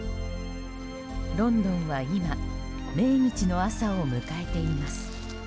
ロンドンは今命日の朝を迎えています。